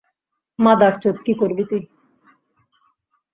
মাদারচোদ, কী করবি তুই?